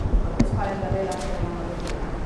Ordezkoaren berri laster emango du klubak.